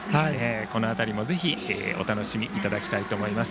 この辺りもぜひお楽しみいただきたいと思います。